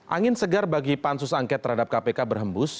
angin segar bagi pansus angket terhadap kpk berhembus